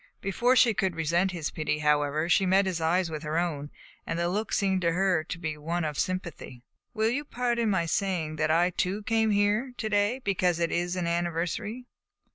Before she could resent this pity, however, she met his eyes with her own, and the look seemed to her to be one of sympathy. "Will you pardon my saying that I too came here to day because it is an anniversary?"